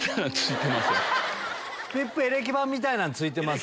ピップエレキバンみたいなの付いてます？